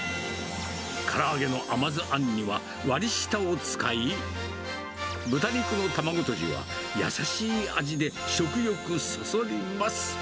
から揚げの甘酢あんには、割り下を使い、豚肉の卵とじは優しい味で、食欲そそります。